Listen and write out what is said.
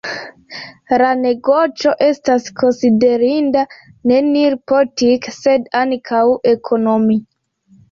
La negoco estas konsiderinda ne nur politike, sed ankaŭ ekonomie.